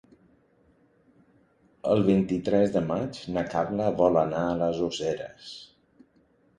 El vint-i-tres de maig na Carla vol anar a les Useres.